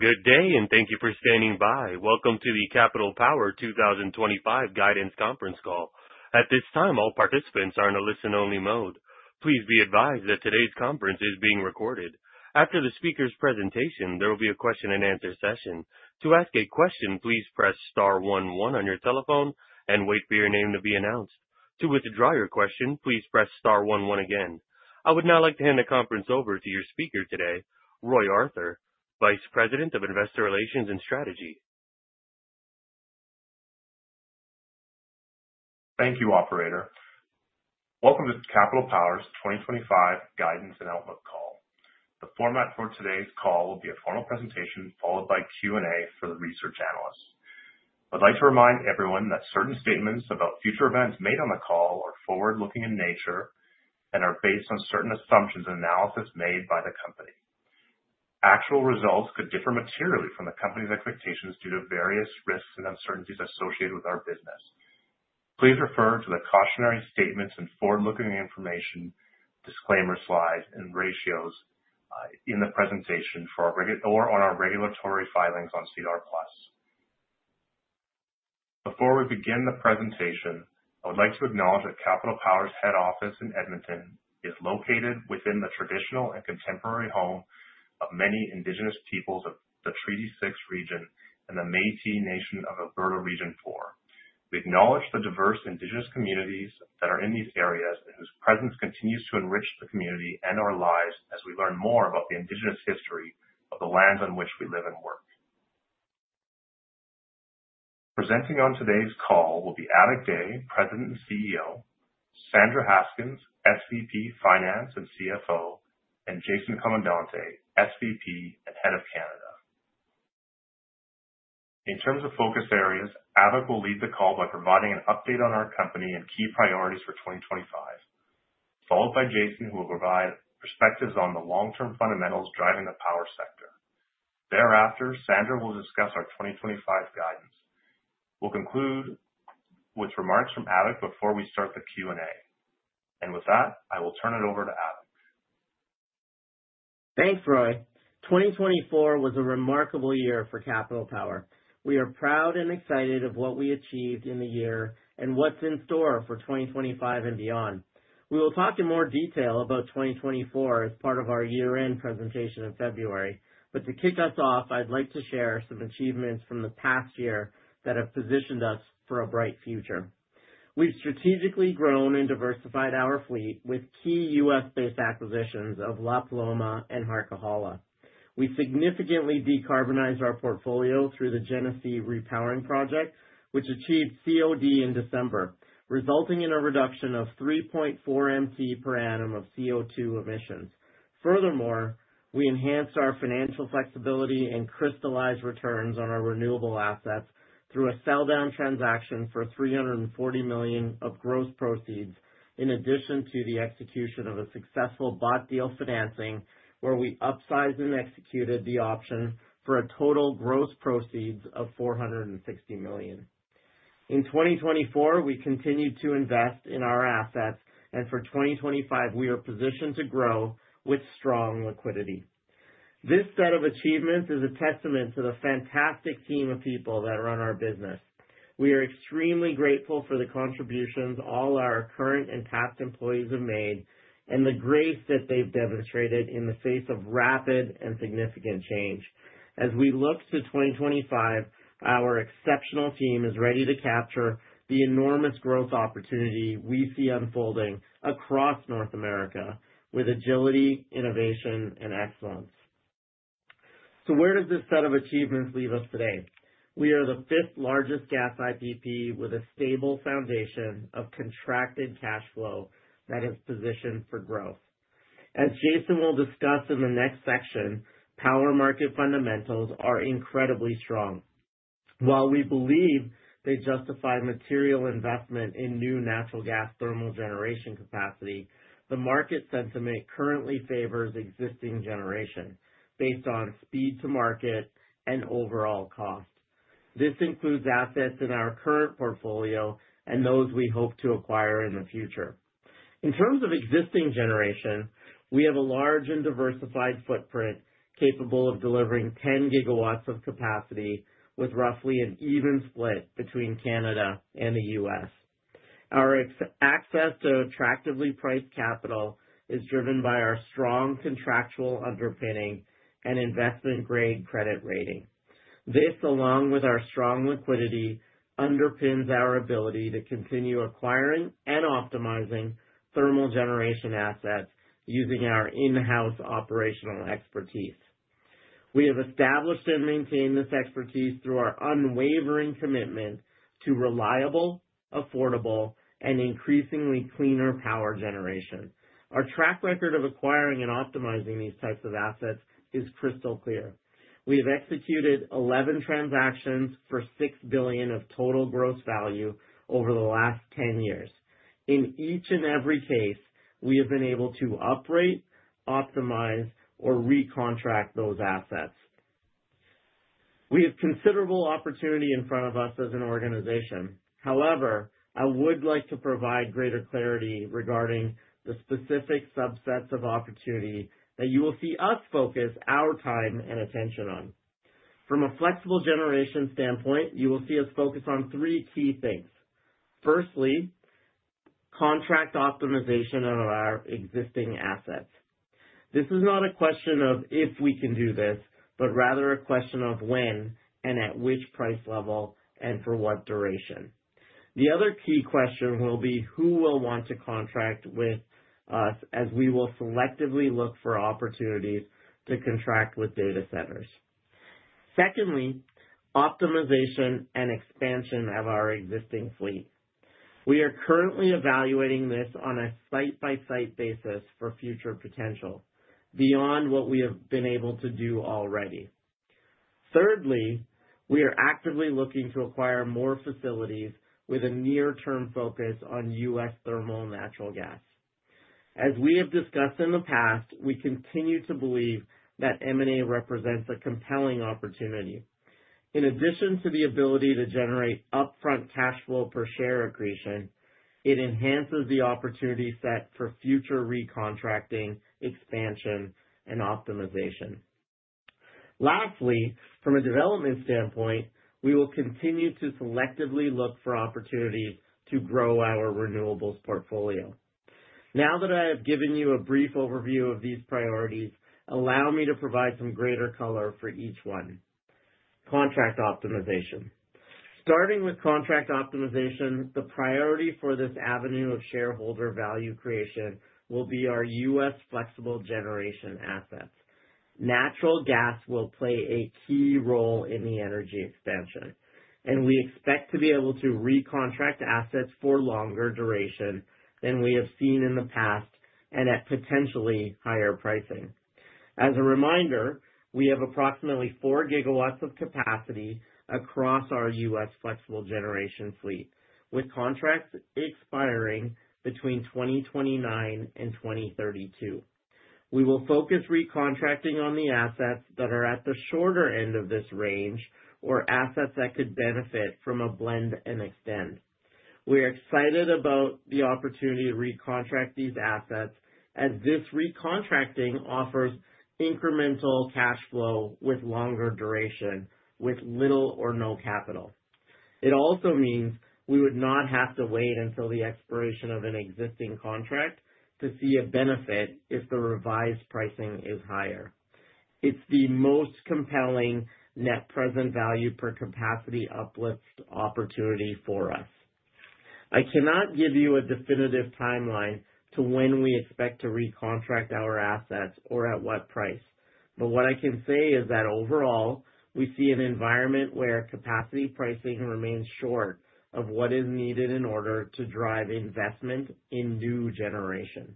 Good day, and thank you for standing by. Welcome to the Capital Power 2025 guidance conference call. At this time, all participants are in a listen-only mode. Please be advised that today's conference is being recorded. After the speaker's presentation, there will be a question-and-answer session. To ask a question, please press star one one on your telephone and wait for your name to be announced. To withdraw your question, please press star one one again. I would now like to hand the conference over to your speaker today, Roy Arthur, Vice President of Investor Relations and Strategy. Thank you, Operator. Welcome to Capital Power's 2025 guidance and outlook call. The format for today's call will be a formal presentation followed by Q&A for the research analysts. I'd like to remind everyone that certain statements about future events made on the call are forward-looking in nature and are based on certain assumptions and analysis made by the company. Actual results could differ materially from the company's expectations due to various risks and uncertainties associated with our business. Please refer to the cautionary statements and forward-looking information, disclaimer slides, and ratios in the presentation or on our regulatory filings on SEDAR+. Before we begin the presentation, I would like to acknowledge that Capital Power's head office in Edmonton is located within the traditional and contemporary home of many Indigenous peoples of the Treaty 6 region and the Métis Nation of Alberta Region 4. We acknowledge the diverse Indigenous communities that are in these areas and whose presence continues to enrich the community and our lives as we learn more about the Indigenous history of the lands on which we live and work. Presenting on today's call will be Avik Dey, President and CEO, Sandra Haskins, SVP, Finance and CFO, and Jason Comandante, SVP and Head of Canada. In terms of focus areas, Avik will lead the call by providing an update on our company and key priorities for 2025, followed by Jason, who will provide perspectives on the long-term fundamentals driving the power sector. Thereafter, Sandra will discuss our 2025 guidance. We'll conclude with remarks from Avik before we start the Q&A. With that, I will turn it over to Avik. Thanks, Roy. 2024 was a remarkable year for Capital Power. We are proud and excited about what we achieved in the year and what's in store for 2025 and beyond. We will talk in more detail about 2024 as part of our year-end presentation in February, but to kick us off, I'd like to share some achievements from the past year that have positioned us for a bright future. We've strategically grown and diversified our fleet with key U.S.-based acquisitions of La Paloma and Harquahala. We significantly decarbonized our portfolio through the Genesee Repowering Project, which achieved COD in December, resulting in a reduction of 3.4 MT per annum of CO2 emissions. Furthermore, we enhanced our financial flexibility and crystallized returns on our renewable assets through a sell-down transaction for 340 million of gross proceeds, in addition to the execution of a successful bought deal financing where we upsized and executed the option for a total gross proceeds of 460 million. In 2024, we continued to invest in our assets, and for 2025, we are positioned to grow with strong liquidity. This set of achievements is a testament to the fantastic team of people that run our business. We are extremely grateful for the contributions all our current and past employees have made and the grace that they've demonstrated in the face of rapid and significant change. As we look to 2025, our exceptional team is ready to capture the enormous growth opportunity we see unfolding across North America with agility, innovation, and excellence. Where does this set of achievements leave us today? We are the fifth-largest gas IPP with a stable foundation of contracted cash flow that is positioned for growth. As Jason will discuss in the next section, power market fundamentals are incredibly strong. While we believe they justify material investment in new natural gas thermal generation capacity, the market sentiment currently favors existing generation based on speed to market and overall cost. This includes assets in our current portfolio and those we hope to acquire in the future. In terms of existing generation, we have a large and diversified footprint capable of delivering 10 GW of capacity with roughly an even split between Canada and the U.S. Our access to attractively priced capital is driven by our strong contractual underpinning and investment-grade credit rating. This, along with our strong liquidity, underpins our ability to continue acquiring and optimizing thermal generation assets using our in-house operational expertise. We have established and maintained this expertise through our unwavering commitment to reliable, affordable, and increasingly cleaner power generation. Our track record of acquiring and optimizing these types of assets is crystal clear. We have executed 11 transactions for 6 billion of total gross value over the last 10 years. In each and every case, we have been able to uprate, optimize, or recontract those assets. We have considerable opportunity in front of us as an organization. However, I would like to provide greater clarity regarding the specific subsets of opportunity that you will see us focus our time and attention on. From a flexible generation standpoint, you will see us focus on three key things. Firstly, contract optimization of our existing assets. This is not a question of if we can do this, but rather a question of when and at which price level and for what duration. The other key question will be who will want to contract with us as we will selectively look for opportunities to contract with data centers. Secondly, optimization and expansion of our existing fleet. We are currently evaluating this on a site-by-site basis for future potential beyond what we have been able to do already. Thirdly, we are actively looking to acquire more facilities with a near-term focus on U.S. thermal natural gas. As we have discussed in the past, we continue to believe that M&A represents a compelling opportunity. In addition to the ability to generate upfront cash flow per share accretion, it enhances the opportunity set for future recontracting, expansion, and optimization. Lastly, from a development standpoint, we will continue to selectively look for opportunities to grow our renewables portfolio. Now that I have given you a brief overview of these priorities, allow me to provide some greater color for each one. Contract optimization. Starting with contract optimization, the priority for this avenue of shareholder value creation will be our U.S. flexible generation assets. Natural gas will play a key role in the energy expansion, and we expect to be able to recontract assets for longer duration than we have seen in the past and at potentially higher pricing. As a reminder, we have approximately 4 GW of capacity across our U.S. flexible generation fleet, with contracts expiring between 2029 and 2032. We will focus recontracting on the assets that are at the shorter end of this range or assets that could benefit from a blend and extend. We are excited about the opportunity to recontract these assets as this recontracting offers incremental cash flow with longer duration with little or no capital. It also means we would not have to wait until the expiration of an existing contract to see a benefit if the revised pricing is higher. It's the most compelling net present value per capacity uplift opportunity for us. I cannot give you a definitive timeline to when we expect to recontract our assets or at what price, but what I can say is that overall, we see an environment where capacity pricing remains short of what is needed in order to drive investment in new generation.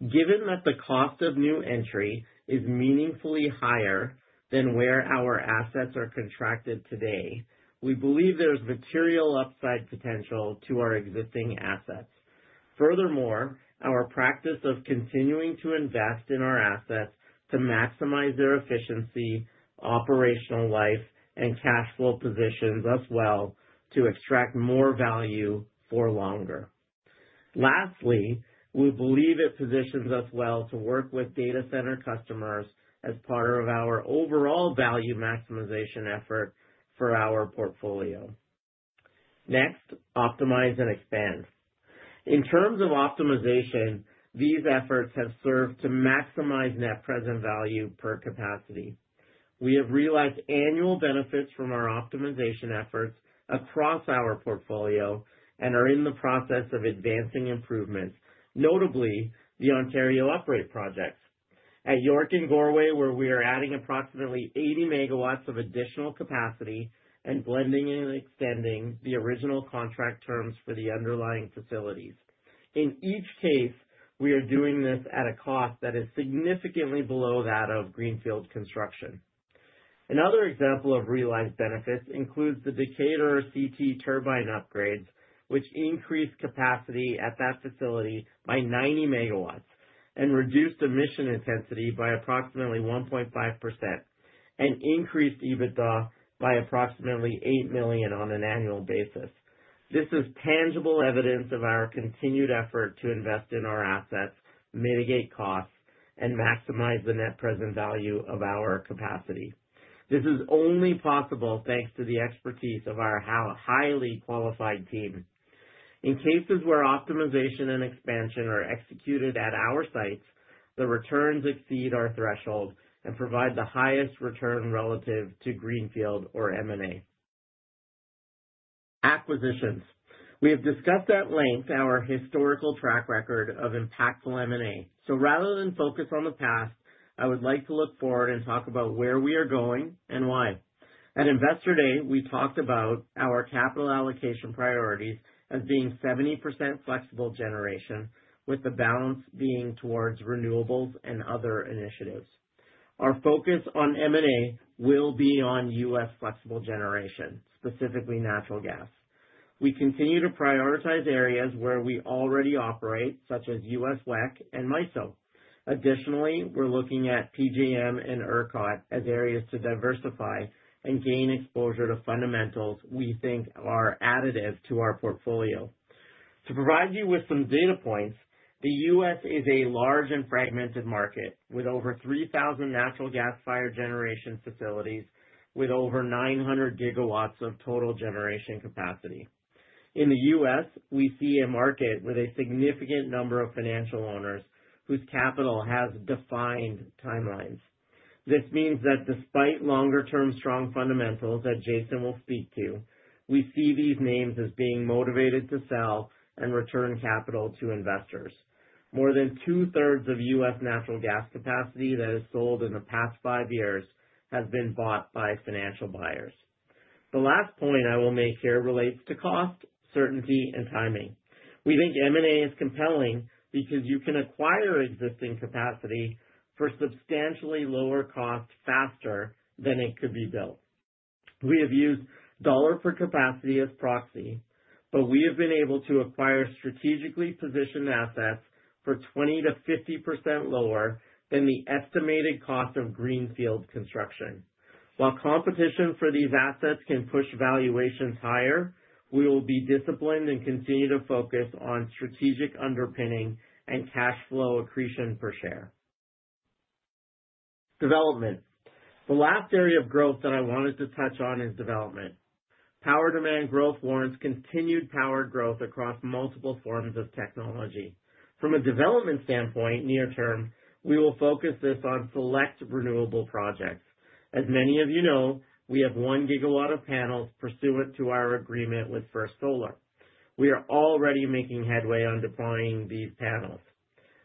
Given that the cost of new entry is meaningfully higher than where our assets are contracted today, we believe there's material upside potential to our existing assets. Furthermore, our practice of continuing to invest in our assets to maximize their efficiency, operational life, and cash flow positions us well to extract more value for longer. Lastly, we believe it positions us well to work with data center customers as part of our overall value maximization effort for our portfolio. Next, optimize and expand. In terms of optimization, these efforts have served to maximize net present value per capacity. We have realized annual benefits from our optimization efforts across our portfolio and are in the process of advancing improvements, notably the Ontario Uprate projects. At York and Goreway, where we are adding approximately 80 MW of additional capacity and blending and extending the original contract terms for the underlying facilities. In each case, we are doing this at a cost that is significantly below that of greenfield construction. Another example of realized benefits includes the Decatur CT turbine upgrades, which increased capacity at that facility by 90 MW and reduced emission intensity by approximately 1.5% and increased EBITDA by approximately 8 million on an annual basis. This is tangible evidence of our continued effort to invest in our assets, mitigate costs, and maximize the net present value of our capacity. This is only possible thanks to the expertise of our highly qualified team. In cases where optimization and expansion are executed at our sites, the returns exceed our threshold and provide the highest return relative to greenfield or M&A. Acquisitions. We have discussed at length our historical track record of impactful M&A. So rather than focus on the past, I would like to look forward and talk about where we are going and why. At Investor Day, we talked about our capital allocation priorities as being 70% flexible generation, with the balance being towards renewables and other initiatives. Our focus on M&A will be on U.S. flexible generation, specifically natural gas. We continue to prioritize areas where we already operate, such as U.S. WECC and MISO. Additionally, we're looking at PJM and ERCOT as areas to diversify and gain exposure to fundamentals we think are additive to our portfolio. To provide you with some data points, the U.S. is a large and fragmented market with over 3,000 natural gas-fired generation facilities with over 900 GW of total generation capacity. In the U.S., we see a market with a significant number of financial owners whose capital has defined timelines. This means that despite longer-term strong fundamentals that Jason will speak to, we see these names as being motivated to sell and return capital to investors. More than two-thirds of U.S. natural gas capacity that is sold in the past five years has been bought by financial buyers. The last point I will make here relates to cost, certainty, and timing. We think M&A is compelling because you can acquire existing capacity for substantially lower cost faster than it could be built. We have used dollar per capacity as proxy, but we have been able to acquire strategically positioned assets for 20%-50% lower than the estimated cost of greenfield construction. While competition for these assets can push valuations higher, we will be disciplined and continue to focus on strategic underpinning and cash flow accretion per share. Development. The last area of growth that I wanted to touch on is development. Power demand growth warrants continued power growth across multiple forms of technology. From a development standpoint, near term, we will focus this on select renewable projects. As many of you know, we have 1 GW of panels pursuant to our agreement with First Solar. We are already making headway on deploying these panels.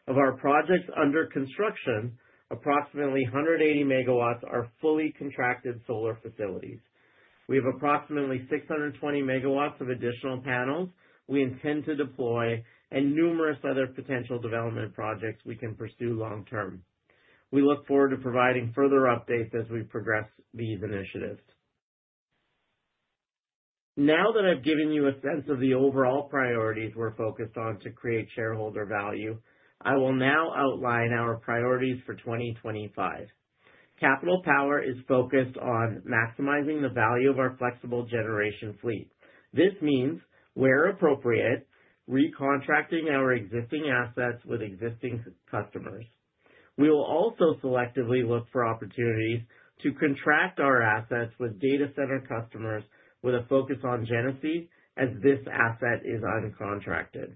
Of our projects under construction, approximately 180 MW are fully contracted solar facilities. We have approximately 620 MW of additional panels we intend to deploy and numerous other potential development projects we can pursue long term. We look forward to providing further updates as we progress these initiatives. Now that I've given you a sense of the overall priorities we're focused on to create shareholder value, I will now outline our priorities for 2025. Capital Power is focused on maximizing the value of our flexible generation fleet. This means, where appropriate, recontracting our existing assets with existing customers. We will also selectively look for opportunities to contract our assets with data center customers with a focus on Genesee as this asset is uncontracted.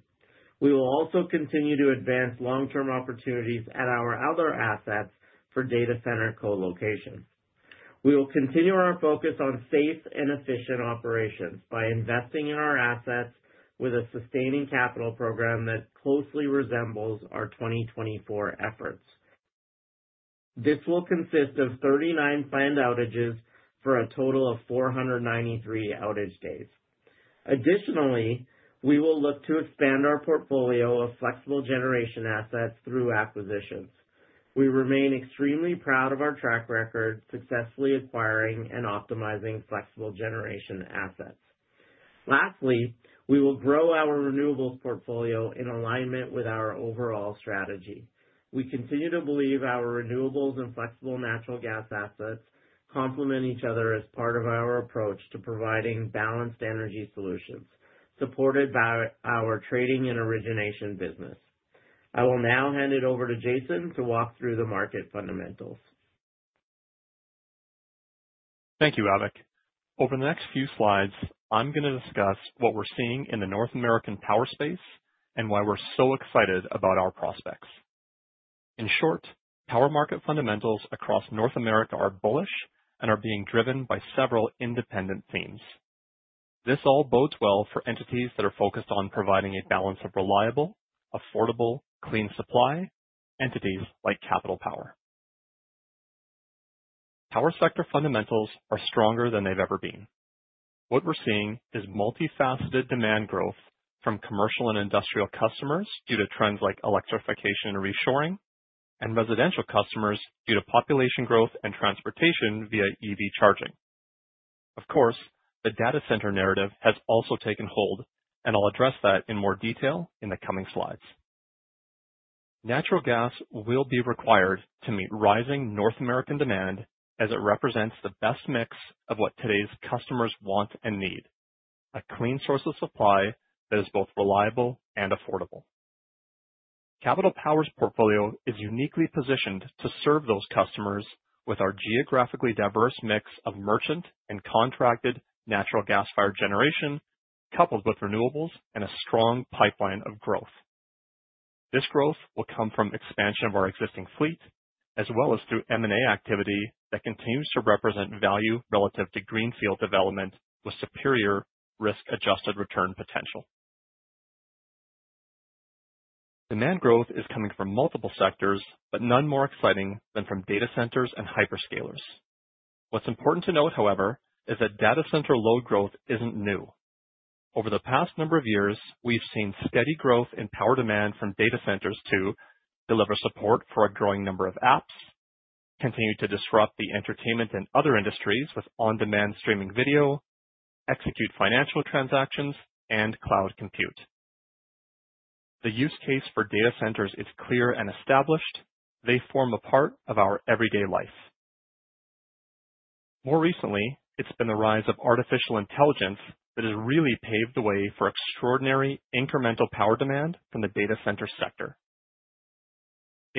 We will also continue to advance long-term opportunities at our other assets for data center co-locations. We will continue our focus on safe and efficient operations by investing in our assets with a sustaining capital program that closely resembles our 2024 efforts. This will consist of 39 planned outages for a total of 493 outage days. Additionally, we will look to expand our portfolio of flexible generation assets through acquisitions. We remain extremely proud of our track record, successfully acquiring and optimizing flexible generation assets. Lastly, we will grow our renewables portfolio in alignment with our overall strategy. We continue to believe our renewables and flexible natural gas assets complement each other as part of our approach to providing balanced energy solutions supported by our trading and origination business. I will now hand it over to Jason to walk through the market fundamentals. Thank you, Avik. Over the next few slides, I'm going to discuss what we're seeing in the North American power space and why we're so excited about our prospects. In short, power market fundamentals across North America are bullish and are being driven by several independent themes. This all bodes well for entities that are focused on providing a balance of reliable, affordable, clean supply entities like Capital Power. Power sector fundamentals are stronger than they've ever been. What we're seeing is multifaceted demand growth from commercial and industrial customers due to trends like electrification and reshoring and residential customers due to population growth and transportation via EV charging. Of course, the data center narrative has also taken hold, and I'll address that in more detail in the coming slides. Natural gas will be required to meet rising North American demand as it represents the best mix of what today's customers want and need: a clean source of supply that is both reliable and affordable. Capital Power's portfolio is uniquely positioned to serve those customers with our geographically diverse mix of merchant and contracted natural gas-fired generation, coupled with renewables and a strong pipeline of growth. This growth will come from expansion of our existing fleet, as well as through M&A activity that continues to represent value relative to greenfield development with superior risk-adjusted return potential. Demand growth is coming from multiple sectors, but none more exciting than from data centers and hyperscalers. What's important to note, however, is that data center load growth isn't new. Over the past number of years, we've seen steady growth in power demand from data centers to deliver support for a growing number of apps, continue to disrupt the entertainment and other industries with on-demand streaming video, execute financial transactions, and cloud compute. The use case for data centers is clear and established. They form a part of our everyday life. More recently, it's been the rise of artificial intelligence that has really paved the way for extraordinary incremental power demand from the data center sector.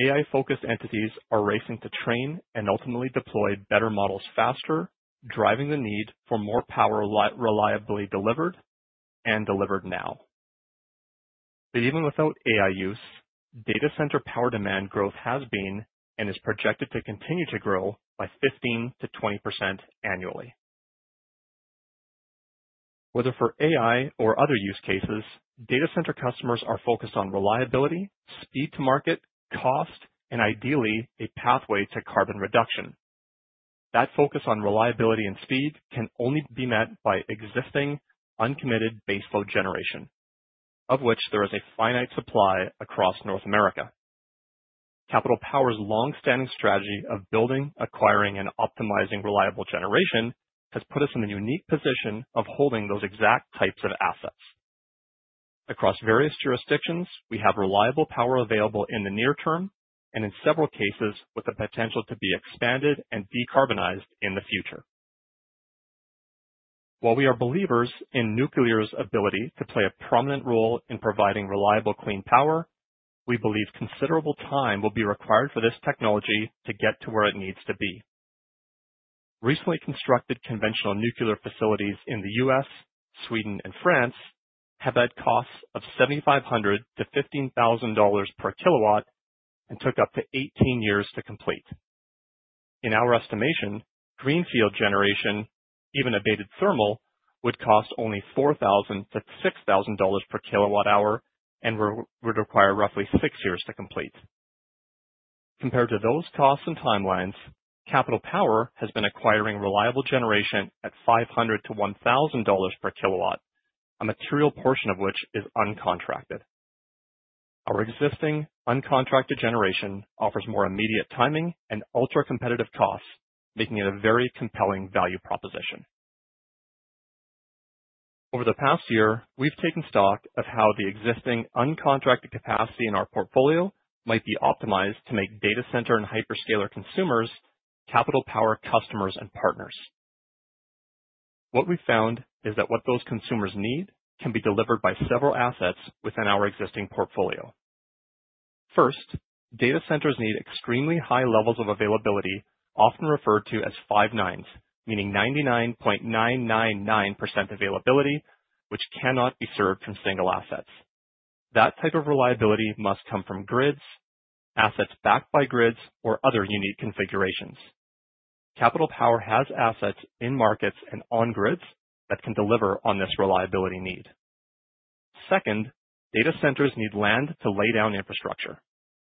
AI-focused entities are racing to train and ultimately deploy better models faster, driving the need for more power reliably delivered and delivered now. But even without AI use, data center power demand growth has been and is projected to continue to grow by 15%-20% annually. Whether for AI or other use cases, data center customers are focused on reliability, speed to market, cost, and ideally a pathway to carbon reduction. That focus on reliability and speed can only be met by existing uncommitted baseload generation, of which there is a finite supply across North America. Capital Power's long-standing strategy of building, acquiring, and optimizing reliable generation has put us in the unique position of holding those exact types of assets. Across various jurisdictions, we have reliable power available in the near term and in several cases with the potential to be expanded and decarbonized in the future. While we are believers in nuclear's ability to play a prominent role in providing reliable clean power, we believe considerable time will be required for this technology to get to where it needs to be. Recently constructed conventional nuclear facilities in the U.S., Sweden, and France have had costs of $7,500-$15,000 per kilowatt and took up to 18 years to complete. In our estimation, greenfield generation, even abated thermal, would cost only $4,000-$6,000 per kilowatt-hour and would require roughly six years to complete. Compared to those costs and timelines, Capital Power has been acquiring reliable generation at $500-$1,000 per kilowatt, a material portion of which is uncontracted. Our existing uncontracted generation offers more immediate timing and ultra-competitive costs, making it a very compelling value proposition. Over the past year, we've taken stock of how the existing uncontracted capacity in our portfolio might be optimized to make data center and hyperscaler consumers Capital Power customers and partners. What we found is that what those consumers need can be delivered by several assets within our existing portfolio. First, data centers need extremely high levels of availability, often referred to as five nines, meaning 99.999% availability, which cannot be served from single assets. That type of reliability must come from grids, assets backed by grids, or other unique configurations. Capital Power has assets in markets and on grids that can deliver on this reliability need. Second, data centers need land to lay down infrastructure.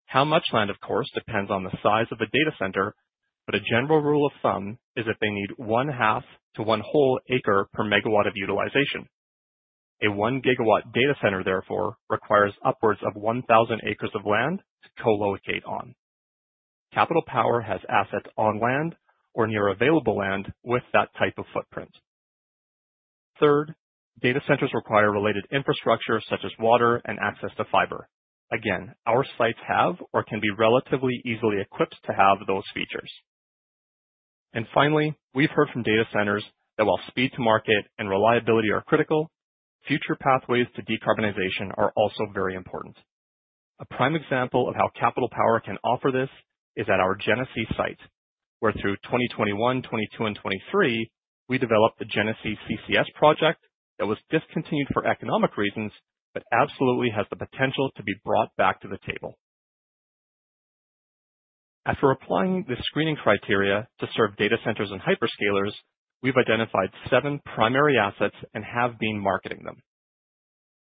How much land, of course, depends on the size of the data center, but a general rule of thumb is that they need one half to one whole acre per megawatt of utilization. A one-gigawatt data center, therefore, requires upwards of 1,000 acres of land to co-locate on. Capital Power has assets on land or near available land with that type of footprint. Third, data centers require related infrastructure such as water and access to fiber. Again, our sites have or can be relatively easily equipped to have those features. And finally, we've heard from data centers that while speed to market and reliability are critical, future pathways to decarbonization are also very important. A prime example of how Capital Power can offer this is at our Genesee site, where through 2021, 2022, and 2023, we developed the Genesee CCS Project that was discontinued for economic reasons, but absolutely has the potential to be brought back to the table. After applying the screening criteria to serve data centers and hyperscalers, we've identified seven primary assets and have been marketing them.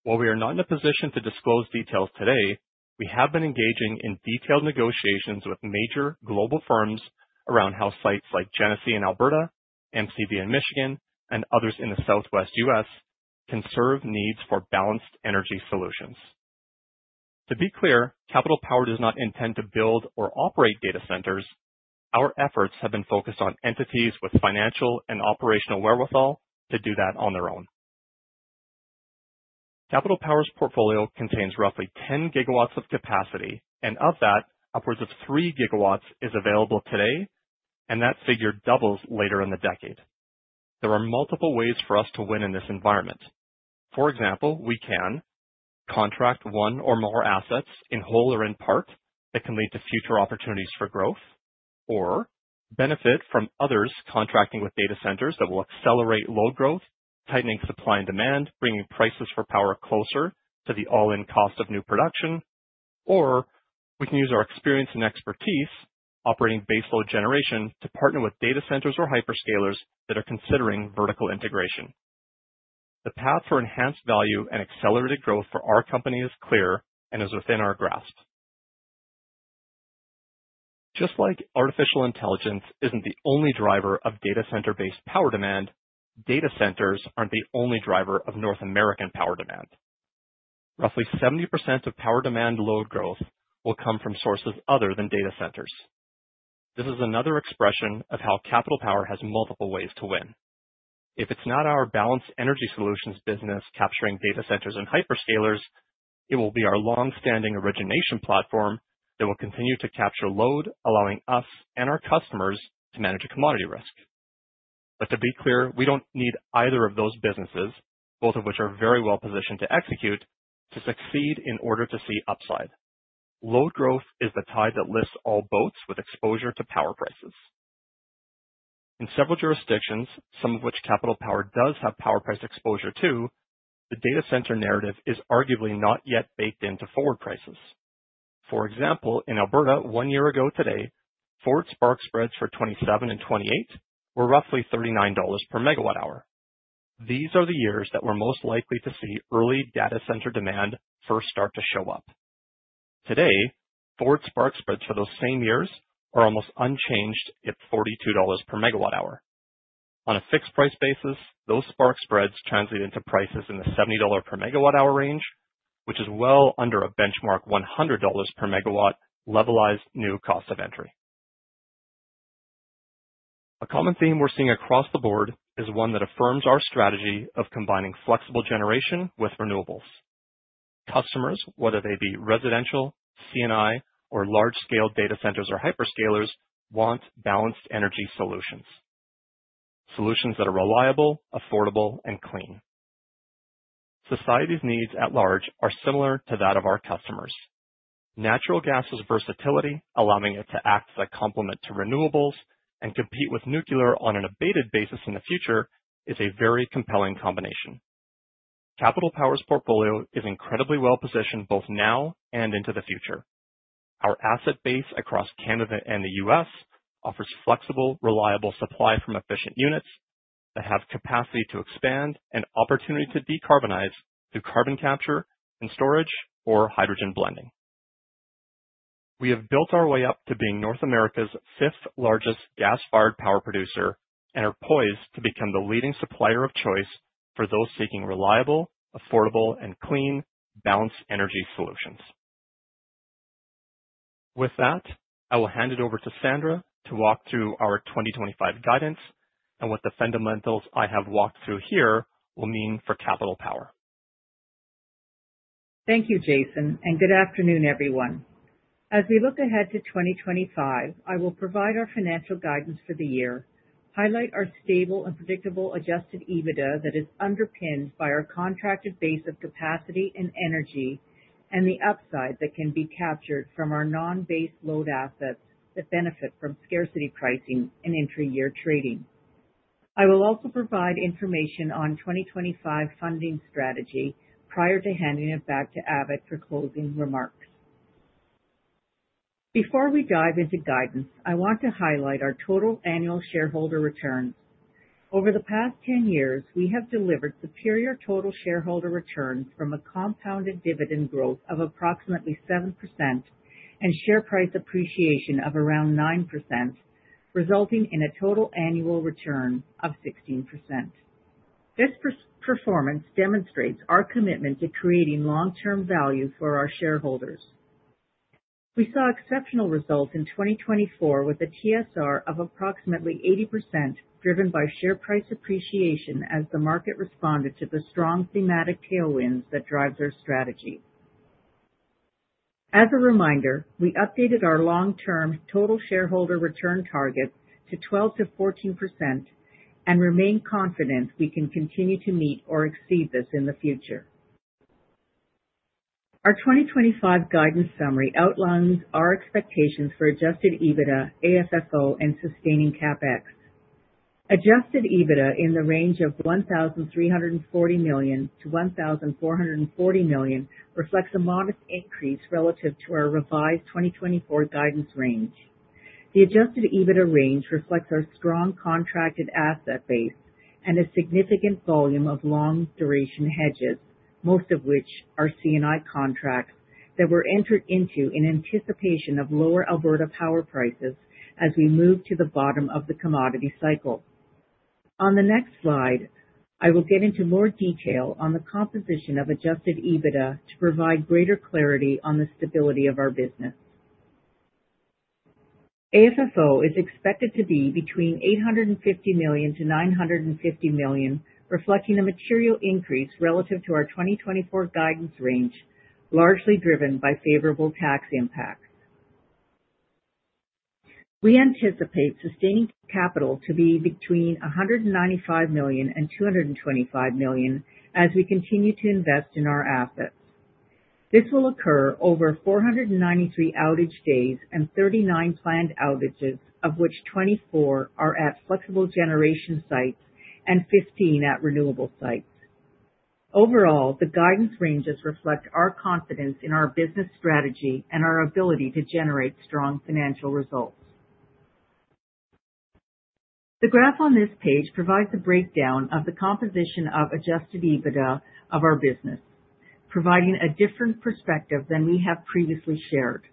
While we are not in a position to disclose details today, we have been engaging in detailed negotiations with major global firms around how sites like Genesee in Alberta, MCV in Michigan, and others in the Southwest U.S. can serve needs for balanced energy solutions. To be clear, Capital Power does not intend to build or operate data centers. Our efforts have been focused on entities with financial and operational wherewithal to do that on their own. Capital Power's portfolio contains roughly 10 GW of capacity, and of that, upwards of 3 GW is available today, and that figure doubles later in the decade. There are multiple ways for us to win in this environment. For example, we can contract one or more assets in whole or in part that can lead to future opportunities for growth, or benefit from others contracting with data centers that will accelerate load growth, tightening supply and demand, bringing prices for power closer to the all-in cost of new production, or we can use our experience and expertise operating baseload generation to partner with data centers or hyperscalers that are considering vertical integration. The path for enhanced value and accelerated growth for our company is clear and is within our grasp. Just like artificial intelligence isn't the only driver of data center-based power demand, data centers aren't the only driver of North American power demand. Roughly 70% of power demand load growth will come from sources other than data centers. This is another expression of how Capital Power has multiple ways to win. If it's not our balanced energy solutions business capturing data centers and hyperscalers, it will be our long-standing origination platform that will continue to capture load, allowing us and our customers to manage a commodity risk. But to be clear, we don't need either of those businesses, both of which are very well positioned to execute, to succeed in order to see upside. Load growth is the tide that lifts all boats with exposure to power prices. In several jurisdictions, some of which Capital Power does have power price exposure to, the data center narrative is arguably not yet baked into forward prices. For example, in Alberta, one year ago today, forward spark spreads for 2027 and 2028 were roughly 39 dollars per megawatt-hour. These are the years that we're most likely to see early data center demand first start to show up. Today, forward spark spreads for those same years are almost unchanged at 42 dollars per megawatt-hour. On a fixed price basis, those spark spreads translate into prices in the 70 dollar per megawatt-hour range, which is well under a benchmark 100 dollars per megawatt-hour levelized new cost of entry. A common theme we're seeing across the board is one that affirms our strategy of combining flexible generation with renewables. Customers, whether they be residential, C&I, or large-scale data centers or hyperscalers, want balanced energy solutions. Solutions that are reliable, affordable, and clean. Society's needs at large are similar to that of our customers. Natural gas's versatility, allowing it to act as a complement to renewables and compete with nuclear on an abated basis in the future, is a very compelling combination. Capital Power's portfolio is incredibly well positioned both now and into the future. Our asset base across Canada and the U.S. offers flexible, reliable supply from efficient units that have capacity to expand and opportunity to decarbonize through carbon capture and storage or hydrogen blending. We have built our way up to being North America's fifth largest gas-fired power producer and are poised to become the leading supplier of choice for those seeking reliable, affordable, and clean balanced energy solutions. With that, I will hand it over to Sandra to walk through our 2025 guidance and what the fundamentals I have walked through here will mean for Capital Power. Thank you, Jason, and good afternoon, everyone. As we look ahead to 2025, I will provide our financial guidance for the year, highlight our stable and predictable Adjusted EBITDA that is underpinned by our contracted base of capacity and energy, and the upside that can be captured from our non-baseload assets that benefit from scarcity pricing and merchant trading. I will also provide information on 2025 funding strategy prior to handing it back to Avik for closing remarks. Before we dive into guidance, I want to highlight our total annual shareholder returns. Over the past 10 years, we have delivered superior total shareholder returns from a compounded dividend growth of approximately 7% and share price appreciation of around 9%, resulting in a total annual return of 16%. This performance demonstrates our commitment to creating long-term value for our shareholders. We saw exceptional results in 2024 with a TSR of approximately 80% driven by share price appreciation as the market responded to the strong thematic tailwinds that drive their strategy. As a reminder, we updated our long-term total shareholder return target to 12%-14% and remain confident we can continue to meet or exceed this in the future. Our 2025 guidance summary outlines our expectations for Adjusted EBITDA, AFFO, and sustaining CapEx. Adjusted EBITDA in the range of 1,340 million to 1,440 million reflects a modest increase relative to our revised 2024 guidance range. The Adjusted EBITDA range reflects our strong contracted asset base and a significant volume of long-duration hedges, most of which are C&I contracts that were entered into in anticipation of lower Alberta power prices as we move to the bottom of the commodity cycle. On the next slide, I will get into more detail on the composition of Adjusted EBITDA to provide greater clarity on the stability of our business. AFFO is expected to be between 850 million-950 million, reflecting a material increase relative to our 2024 guidance range, largely driven by favorable tax impacts. We anticipate Sustaining Capital to be between 195 million and 225 million as we continue to invest in our assets. This will occur over 493 outage days and 39 planned outages, of which 24 are at flexible generation sites and 15 at renewable sites. Overall, the guidance ranges reflect our confidence in our business strategy and our ability to generate strong financial results. The graph on this page provides a breakdown of the composition of Adjusted EBITDA of our business, providing a different perspective than we have previously shared.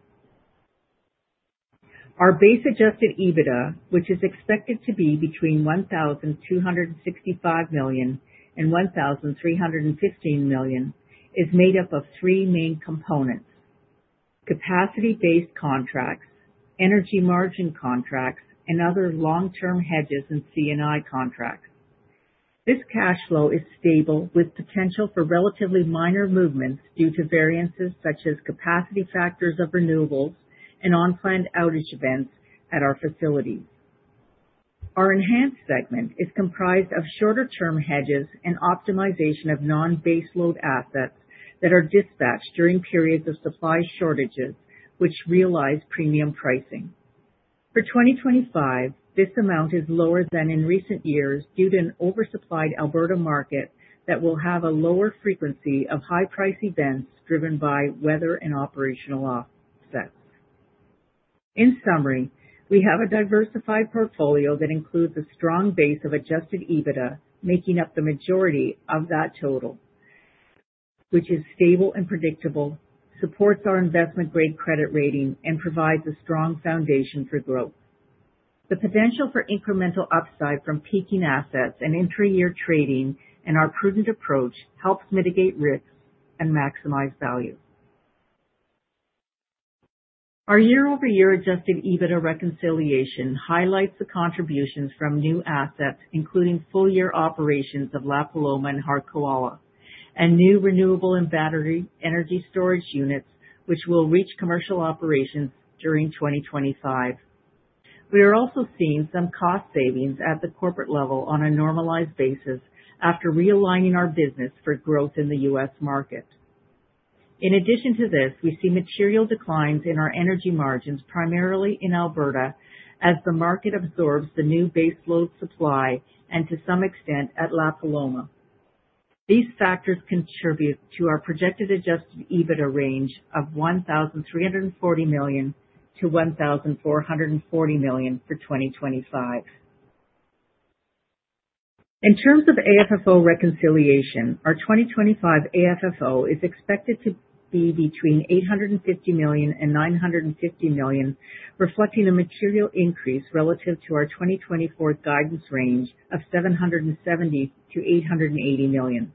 Our base Adjusted EBITDA, which is expected to be between 1,265 million and 1,315 million, is made up of three main components: capacity-based contracts, energy margin contracts, and other long-term hedges and C&I contracts. This cash flow is stable with potential for relatively minor movements due to variances such as capacity factors of renewables and unplanned outage events at our facilities. Our enhanced segment is comprised of shorter-term hedges and optimization of non-baseload assets that are dispatched during periods of supply shortages, which realize premium pricing. For 2025, this amount is lower than in recent years due to an oversupplied Alberta market that will have a lower frequency of high-price events driven by weather and operational offsets. In summary, we have a diversified portfolio that includes a strong base of Adjusted EBITDA making up the majority of that total, which is stable and predictable, supports our investment-grade credit rating, and provides a strong foundation for growth. The potential for incremental upside from peaking assets and intra-year trading and our prudent approach helps mitigate risks and maximize value. Our year-over-year Adjusted EBITDA reconciliation highlights the contributions from new assets, including full-year operations of La Paloma and Harquahala and new renewable and battery energy storage units, which will reach commercial operations during 2025. We are also seeing some cost savings at the corporate level on a normalized basis after realigning our business for growth in the U.S. market. In addition to this, we see material declines in our energy margins, primarily in Alberta, as the market absorbs the new baseload supply and to some extent at La Paloma. These factors contribute to our projected Adjusted EBITDA range of 1,340 million-1,440 million for 2025. In terms of AFFO reconciliation, our 2025 AFFO is expected to be between 850 million and 950 million, reflecting a material increase relative to our 2024 guidance range of 770 million-880 million.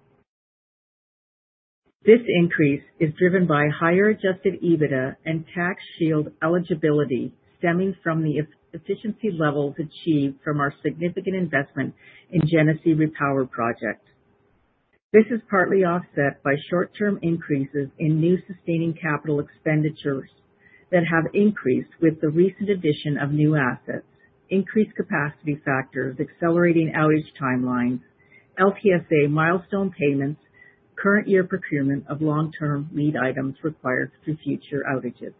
This increase is driven by higher Adjusted EBITDA and tax shield eligibility stemming from the efficiency levels achieved from our significant investment in Genesee Repowering Project. This is partly offset by short-term increases in new sustaining capital expenditures that have increased with the recent addition of new assets, increased capacity factors accelerating outage timelines, LTSA milestone payments, and current year procurement of long-term lead items required through future outages.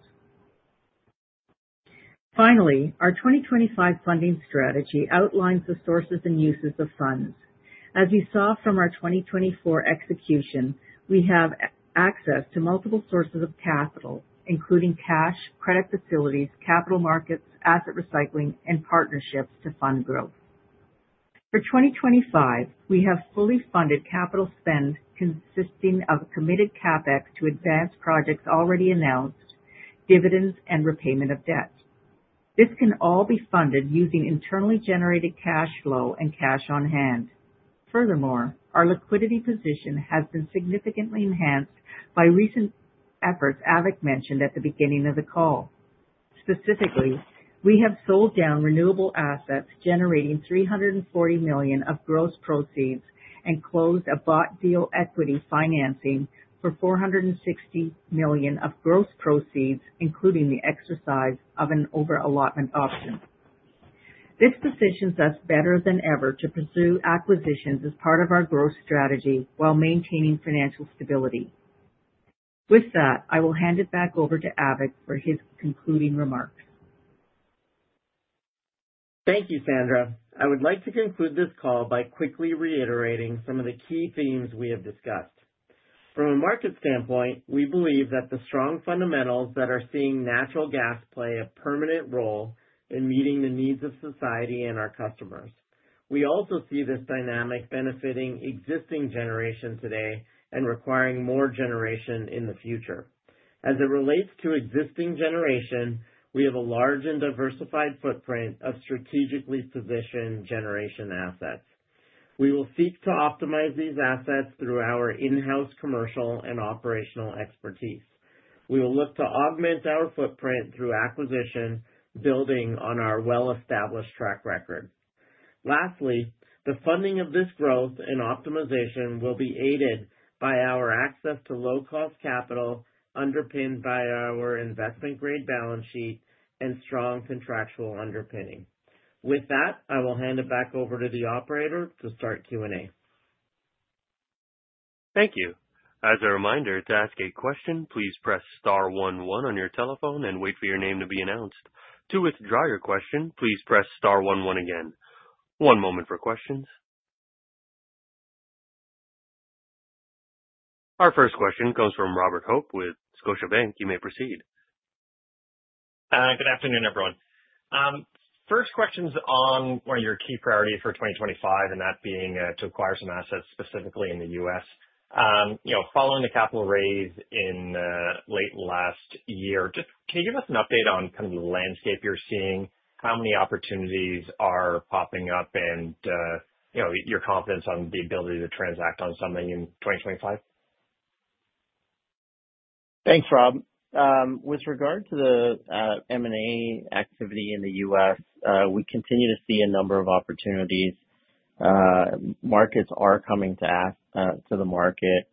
Finally, our 2025 funding strategy outlines the sources and uses of funds. As you saw from our 2024 execution, we have access to multiple sources of capital, including cash, credit facilities, capital markets, asset recycling, and partnerships to fund growth. For 2025, we have fully funded capital spend consisting of committed CapEx to advanced projects already announced, dividends, and repayment of debt. This can all be funded using internally generated cash flow and cash on hand. Furthermore, our liquidity position has been significantly enhanced by recent efforts Avik mentioned at the beginning of the call. Specifically, we have sold down renewable assets generating 340 million of gross proceeds and closed a bought deal equity financing for 460 million of gross proceeds, including the exercise of an over-allotment option. This positions us better than ever to pursue acquisitions as part of our growth strategy while maintaining financial stability. With that, I will hand it back over to Avik for his concluding remarks. Thank you, Sandra. I would like to conclude this call by quickly reiterating some of the key themes we have discussed. From a market standpoint, we believe that the strong fundamentals that are seeing natural gas play a permanent role in meeting the needs of society and our customers. We also see this dynamic benefiting existing generation today and requiring more generation in the future. As it relates to existing generation, we have a large and diversified footprint of strategically positioned generation assets. We will seek to optimize these assets through our in-house commercial and operational expertise. We will look to augment our footprint through acquisition, building on our well-established track record. Lastly, the funding of this growth and optimization will be aided by our access to low-cost capital, underpinned by our investment-grade balance sheet and strong contractual underpinning. With that, I will hand it back over to the operator to start Q&A. Thank you. As a reminder, to ask a question, please press star one one on your telephone and wait for your name to be announced. To withdraw your question, please press star one one again. One moment for questions. Our first question comes from Robert Hope with Scotiabank. You may proceed. Good afternoon, everyone. First question's on one of your key priorities for 2025, and that being to acquire some assets specifically in the U.S. Following the capital raise in late last year, just can you give us an update on kind of the landscape you're seeing? How many opportunities are popping up and your confidence on the ability to transact on something in 2025? Thanks, Rob. With regard to the M&A activity in the U.S., we continue to see a number of opportunities. Markets are coming to the market.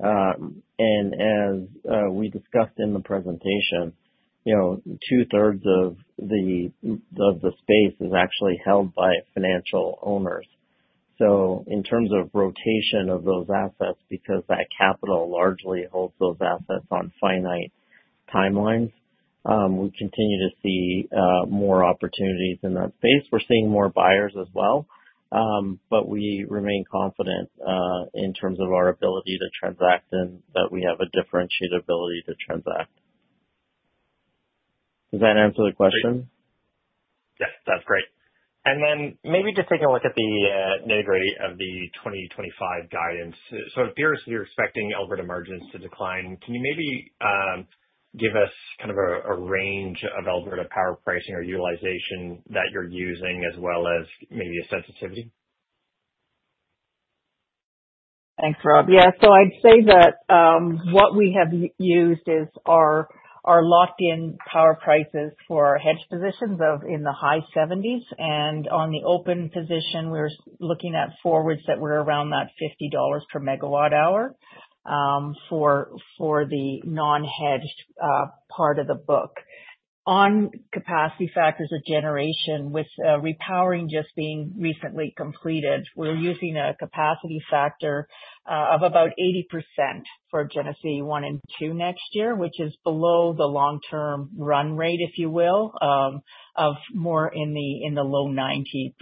And as we discussed in the presentation, two-thirds of the space is actually held by financial owners. So in terms of rotation of those assets, because that capital largely holds those assets on finite timelines, we continue to see more opportunities in that space. We're seeing more buyers as well, but we remain confident in terms of our ability to transact and that we have a differentiated ability to transact. Does that answer the question? Yes, that's great. And then maybe just take a look at the nitty-gritty of the 2025 guidance. So if you're expecting Alberta margins to decline, can you maybe give us kind of a range of Alberta power pricing or utilization that you're using, as well as maybe a sensitivity? Thanks, Rob. Yeah, so I'd say that what we have used is our locked-in power prices for our hedge positions in the high 70s. And on the open position, we're looking at forwards that were around that 50 dollars per megawatt hour for the non-hedged part of the book. On capacity factors of generation, with repowering just being recently completed, we're using a capacity factor of about 80% for Genesee 1 and 2 next year, which is below the long-term run rate, if you will, of more in the low 90%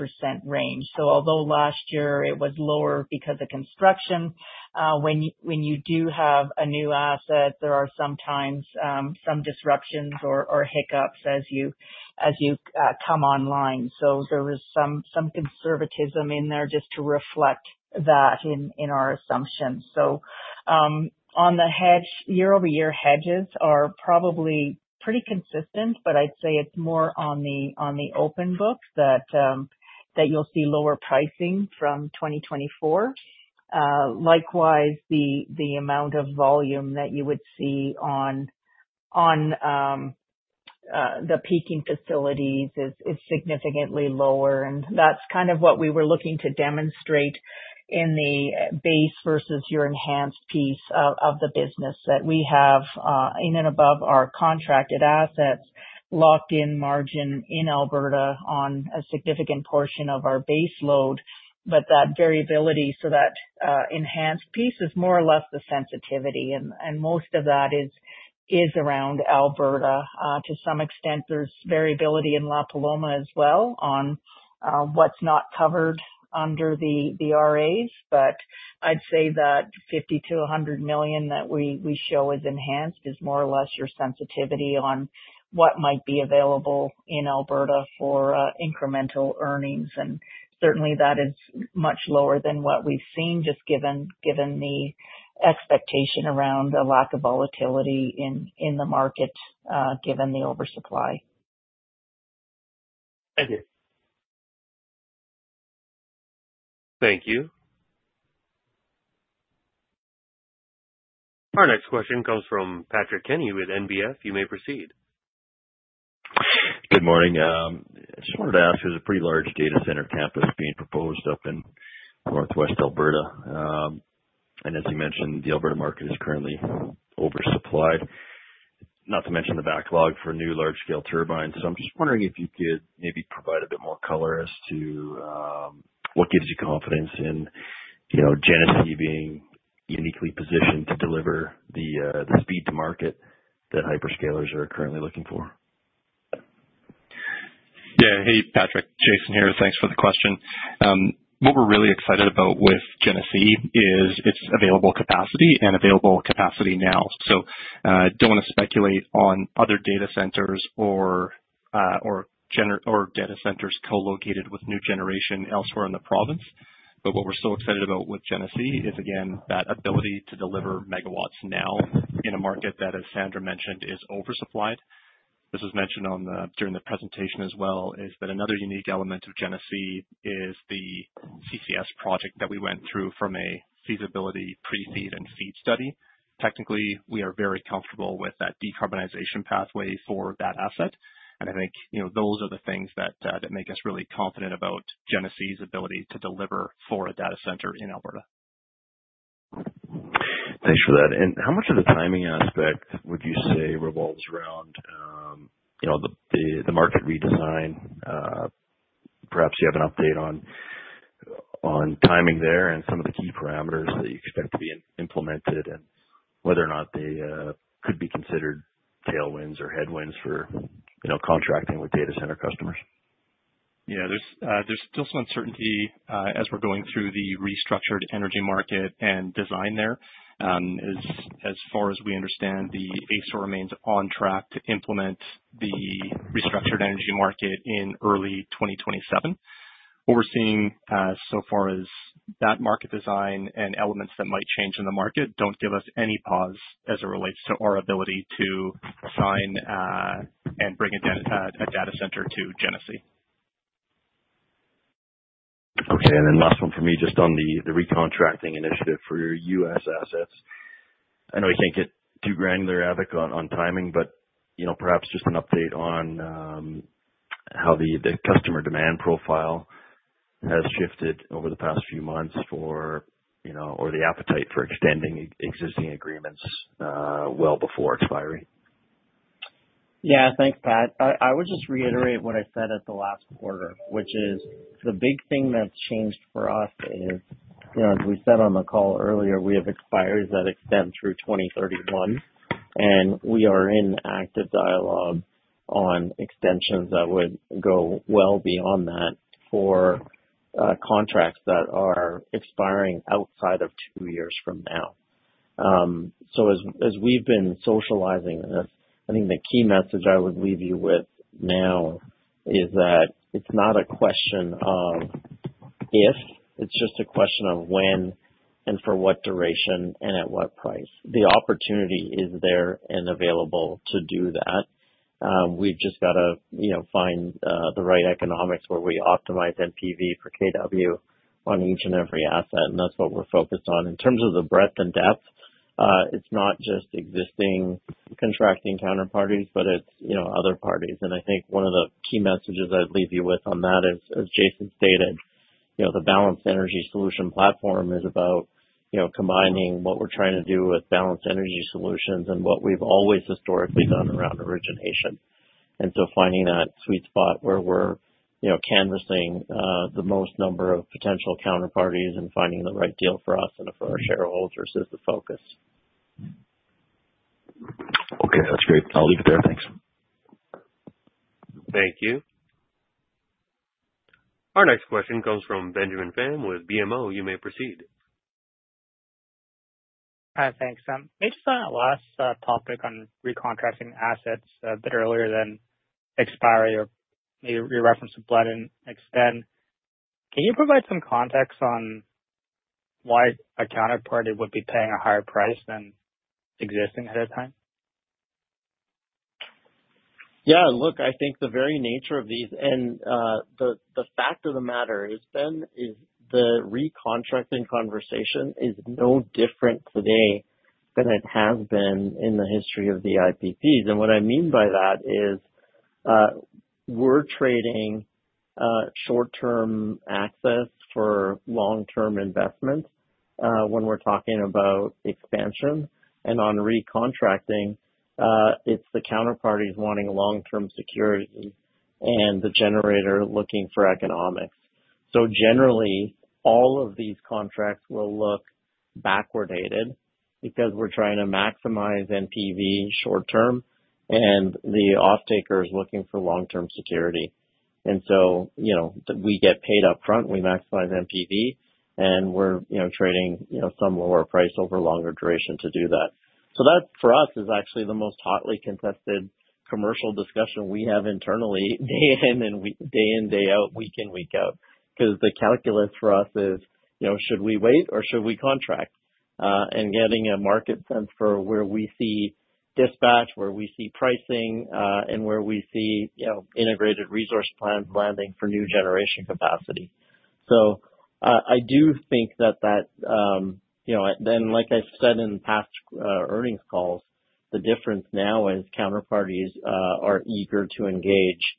range. So although last year it was lower because of construction, when you do have a new asset, there are sometimes some disruptions or hiccups as you come online. So there was some conservatism in there just to reflect that in our assumptions. So on the hedge, year-over-year hedges are probably pretty consistent, but I'd say it's more on the open book that you'll see lower pricing from 2024. Likewise, the amount of volume that you would see on the peaking facilities is significantly lower. And that's kind of what we were looking to demonstrate in the base versus your enhanced piece of the business that we have in and above our contracted assets locked in margin in Alberta on a significant portion of our baseload. But that variability, so that enhanced piece is more or less the sensitivity, and most of that is around Alberta. To some extent, there's variability in La Paloma as well on what's not covered under the RAs. But I'd say that 50 million-100 million that we show as enhanced is more or less your sensitivity on what might be available in Alberta for incremental earnings. And certainly, that is much lower than what we've seen, just given the expectation around the lack of volatility in the market, given the oversupply. Thank you. Thank you. Our next question comes from Patrick Kenny with NBF. You may proceed. Good morning. I just wanted to ask, there's a pretty large data center campus being proposed up in Northwest Alberta, and as you mentioned, the Alberta market is currently oversupplied, not to mention the backlog for new large-scale turbines, so I'm just wondering if you could maybe provide a bit more color as to what gives you confidence in Genesee being uniquely positioned to deliver the speed to market that hyperscalers are currently looking for. Yeah. Hey, Patrick. Jason here. Thanks for the question. What we're really excited about with Genesee is its available capacity and available capacity now, so don't want to speculate on other data centers or data centers co-located with new generation elsewhere in the province, but what we're so excited about with Genesee is, again, that ability to deliver megawatts now in a market that, as Sandra mentioned, is oversupplied. This was mentioned during the presentation as well, is that another unique element of Genesee is the CCS project that we went through from a feasibility pre-FEED and FEED study. Technically, we are very comfortable with that decarbonization pathway for that asset, and I think those are the things that make us really confident about Genesee's ability to deliver for a data center in Alberta. Thanks for that, and how much of the timing aspect would you say revolves around the market redesign? Perhaps you have an update on timing there and some of the key parameters that you expect to be implemented and whether or not they could be considered tailwinds or headwinds for contracting with data center customers. Yeah. There's still some uncertainty as we're going through the restructured energy market and design there. As far as we understand, the AESO remains on track to implement the restructured energy market in early 2027. What we're seeing so far is that market design and elements that might change in the market don't give us any pause as it relates to our ability to sign and bring a data center to Genesee. Okay. And then last one for me, just on the recontracting initiative for your U.S. assets. I know we can't get too granular, Avik, on timing, but perhaps just an update on how the customer demand profile has shifted over the past few months or the appetite for extending existing agreements well before expiry. Yeah. Thanks, Pat. I would just reiterate what I said at the last quarter, which is the big thing that's changed for us is, as we said on the call earlier, we have expiries that extend through 2031. And we are in active dialogue on extensions that would go well beyond that for contracts that are expiring outside of two years from now. So as we've been socializing this, I think the key message I would leave you with now is that it's not a question of if, it's just a question of when and for what duration and at what price. The opportunity is there and available to do that. We've just got to find the right economics where we optimize NPV per kW on each and every asset. And that's what we're focused on. In terms of the breadth and depth, it's not just existing contracting counterparties, but it's other parties. I think one of the key messages I'd leave you with on that is, as Jason stated, the balanced energy solution platform is about combining what we're trying to do with balanced energy solutions and what we've always historically done around origination. And so finding that sweet spot where we're canvassing the most number of potential counterparties and finding the right deal for us and for our shareholders is the focus. Okay. That's great. I'll leave it there. Thanks. Thank you. Our next question comes from Benjamin Pham with BMO. You may proceed. Hi. Thanks, Sam. We just had a last topic on recontracting assets a bit earlier than expiry or your reference to been and extend. Can you provide some context on why a counterparty would be paying a higher price than existing ahead of time? Yeah. Look, I think the very nature of these and the fact of the matter is, then, is the recontracting conversation is no different today than it has been in the history of the IPPs. And what I mean by that is we're trading short-term access for long-term investment when we're talking about expansion. And on recontracting, it's the counterparties wanting long-term security and the generator looking for economics. So generally, all of these contracts will look backwardated because we're trying to maximize NPV short-term and the off-taker is looking for long-term security. And so we get paid upfront, we maximize NPV, and we're trading some lower price over longer duration to do that. So that, for us, is actually the most hotly contested commercial discussion we have internally day in and day out, week in, week out. Because the calculus for us is, should we wait or should we contract? Getting a market sense for where we see dispatch, where we see pricing, and where we see integrated resource plans landing for new generation capacity. I do think that that and like I've said in past earnings calls, the difference now is counterparties are eager to engage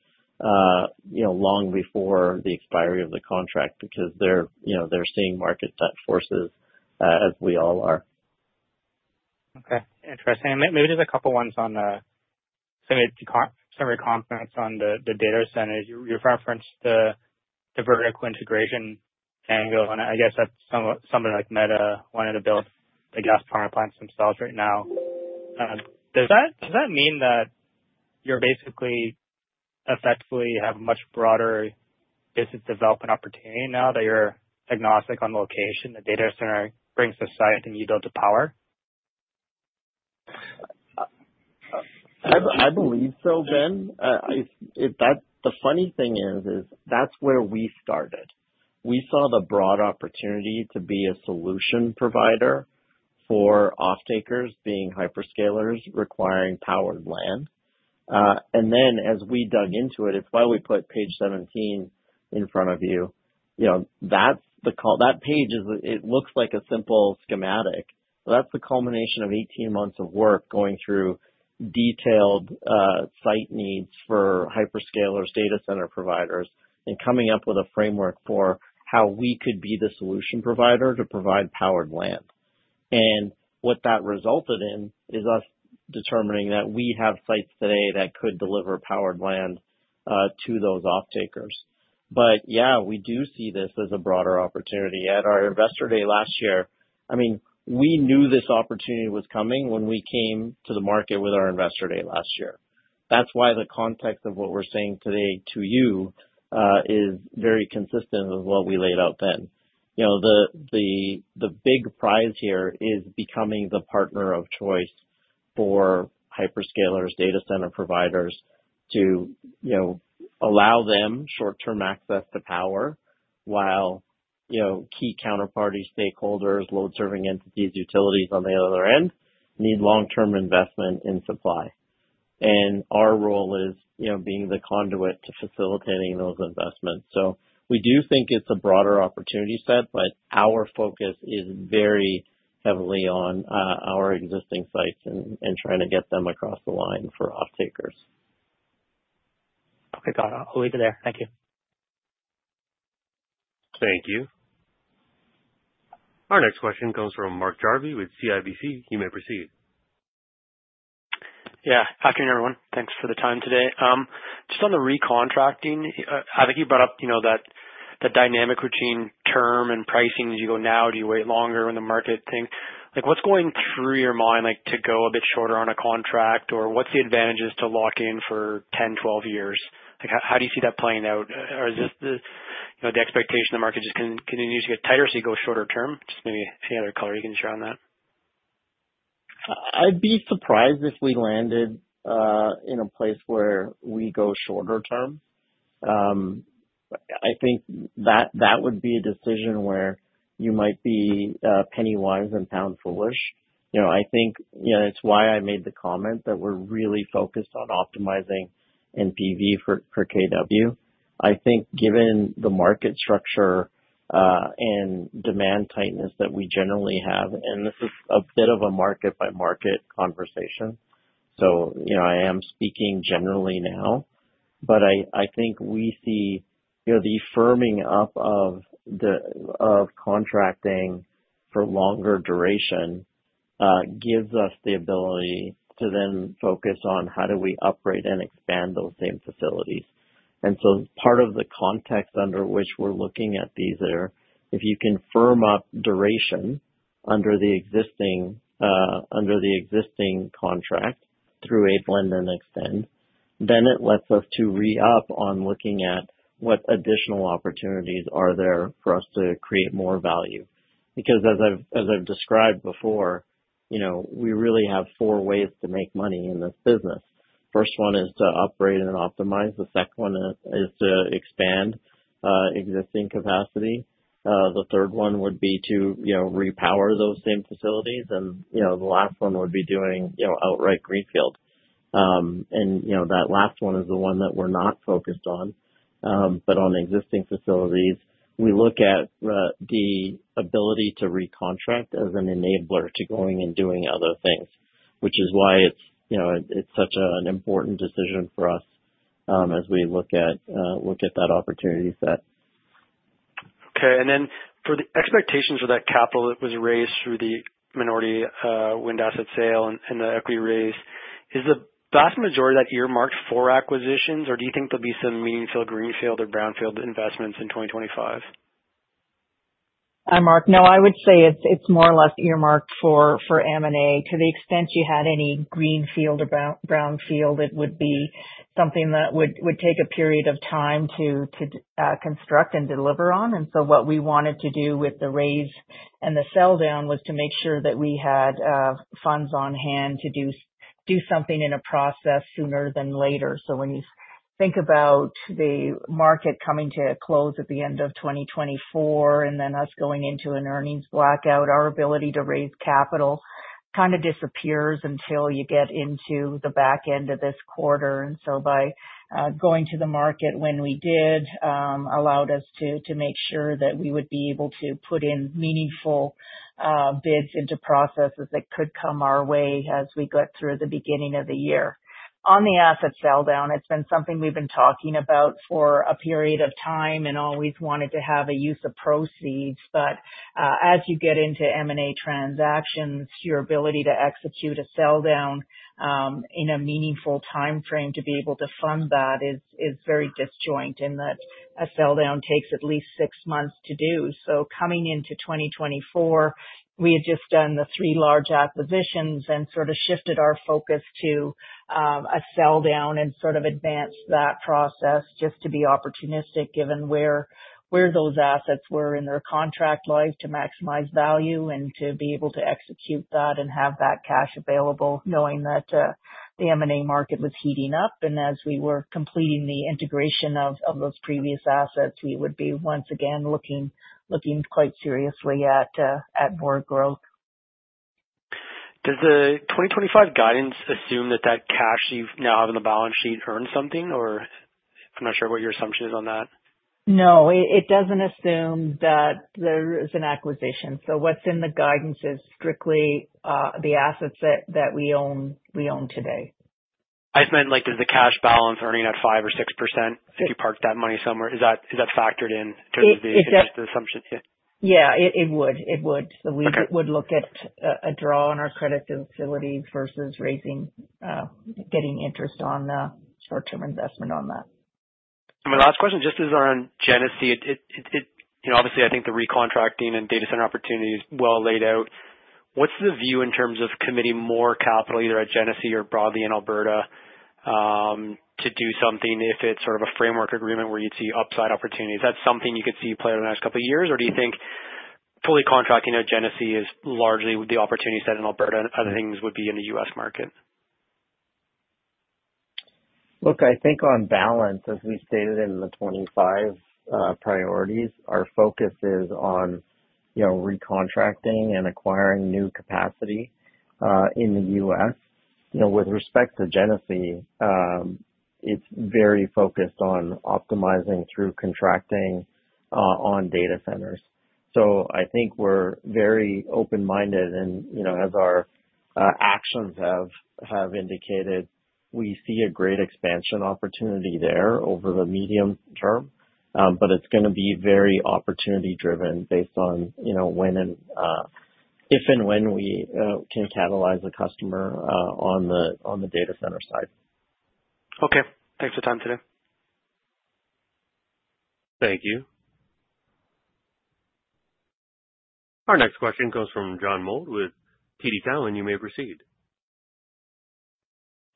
long before the expiry of the contract because they're seeing market forces as we all are. Okay. Interesting. Maybe just a couple of ones on some of your comments on the data centers. You referenced the vertical integration angle. I guess that's something like Meta wanting to build the gas power plants themselves right now. Does that mean that you're basically effectively have a much broader business development opportunity now that you're agnostic on location, the data center brings the site and you build the power? I believe so, Ben. The funny thing is, is that's where we started. We saw the broad opportunity to be a solution provider for off-takers being hyperscalers requiring powered land. And then as we dug into it, it's why we put page 17 in front of you. That page looks like a simple schematic. That's the culmination of 18 months of work going through detailed site needs for hyperscalers, data center providers, and coming up with a framework for how we could be the solution provider to provide powered land. And what that resulted in is us determining that we have sites today that could deliver powered land to those off-takers. But yeah, we do see this as a broader opportunity. At our Investor Day last year, I mean, we knew this opportunity was coming when we came to the market with our Investor Day last year. That's why the context of what we're saying today to you is very consistent with what we laid out then. The big prize here is becoming the partner of choice for hyperscalers, data center providers to allow them short-term access to power while key counterparty stakeholders, load-serving entities, utilities on the other end need long-term investment in supply. And our role is being the conduit to facilitating those investments. So we do think it's a broader opportunity set, but our focus is very heavily on our existing sites and trying to get them across the line for off-takers. Okay. Got it. I'll leave it there. Thank you. Thank you. Our next question comes from Mark Jarvi with CIBC. You may proceed. Yeah. Hi, everyone. Thanks for the time today. Just on the recontracting, Avik, you brought up that dynamic between term and pricing as you go now? Do you wait longer in the market then? What's going through your mind to go a bit shorter on a contract, or what's the advantages to lock in for 10, 12 years? How do you see that playing out? Or is this the expectation the market just continues to get tighter as you go shorter term? Just maybe any other color you can share on that. I'd be surprised if we landed in a place where we go shorter term. I think that would be a decision where you might be penny wise and pound foolish. I think it's why I made the comment that we're really focused on optimizing NPV per kW. I think given the market structure and demand tightness that we generally have, and this is a bit of a market-by-market conversation, so I am speaking generally now, but I think we see the firming up of contracting for longer duration gives us the ability to then focus on how do we upgrade and expand those same facilities, and so part of the context under which we're looking at these is if you can firm up duration under the existing contract through a blend and extend, then it lets us to re-up on looking at what additional opportunities are there for us to create more value. Because as I've described before, we really have four ways to make money in this business. First one is to upgrade and optimize. The second one is to expand existing capacity. The third one would be to repower those same facilities. And the last one would be doing outright greenfield. And that last one is the one that we're not focused on. But on existing facilities, we look at the ability to recontract as an enabler to going and doing other things, which is why it's such an important decision for us as we look at that opportunity set. Okay. And then for the expectations for that capital that was raised through the minority wind asset sale and the equity raise, is the vast majority of that earmarked for acquisitions, or do you think there'll be some meaningful greenfield or brownfield investments in 2025? Hi, Mark. No, I would say it's more or less earmarked for M&A. To the extent you had any greenfield or brownfield, it would be something that would take a period of time to construct and deliver on. What we wanted to do with the raise and the sell-down was to make sure that we had funds on hand to do something in a process sooner than later. So when you think about the market coming to a close at the end of 2024 and then us going into an earnings blackout, our ability to raise capital kind of disappears until you get into the back end of this quarter. And so by going to the market when we did, allowed us to make sure that we would be able to put in meaningful bids into processes that could come our way as we go through the beginning of the year. On the asset sell-down, it's been something we've been talking about for a period of time and always wanted to have a use of proceeds. As you get into M&A transactions, your ability to execute a sell-down in a meaningful timeframe to be able to fund that is very disjointed in that a sell-down takes at least six months to do. Coming into 2024, we had just done the three large acquisitions and sort of shifted our focus to a sell-down and sort of advance that process just to be opportunistic given where those assets were in their contract lives to maximize value and to be able to execute that and have that cash available knowing that the M&A market was heating up. As we were completing the integration of those previous assets, we would be once again looking quite seriously at more growth. Does the 2025 guidance assume that that cash you now have in the balance sheet earns something, or I'm not sure what your assumption is on that? No, it doesn't assume that there is an acquisition. So what's in the guidance is strictly the assets that we own today. I meant, is the cash balance earning at 5% or 6% if you parked that money somewhere? Is that factored in to the assumption? Yeah. It would. It would. So we would look at a draw on our credit facilities versus getting interest on the short-term investment on that. And my last question, just as on Genesee, obviously, I think the recontracting and data center opportunity is well laid out. What's the view in terms of committing more capital either at Genesee or broadly in Alberta to do something if it's sort of a framework agreement where you'd see upside opportunities? That's something you could see play over the next couple of years, or do you think fully contracting at Genesee is largely the opportunity set in Alberta and other things would be in the U.S. market? Look, I think on balance, as we stated in the 2025 priorities, our focus is on recontracting and acquiring new capacity in the U.S. With respect to Genesee, it's very focused on optimizing through contracting on data centers. So I think we're very open-minded, and as our actions have indicated, we see a great expansion opportunity there over the medium term, but it's going to be very opportunity-driven based on if and when we can catalyze a customer on the data center side. Okay. Thanks for your time today. Thank you. Our next question comes from John Mould with TD Cowen. You may proceed.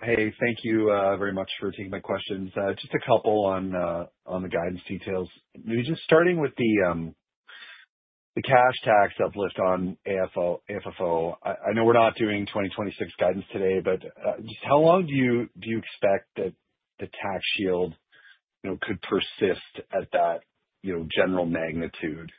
Hey, thank you very much for taking my questions. Just a couple on the guidance details. Just starting with the cash tax uplift on AFFO, I know we're not doing 2026 guidance today, but just how long do you expect that the tax shield could persist at that general magnitude?